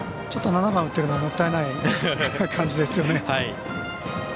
ちょっと７番を打っているのがもったいない感じですよね。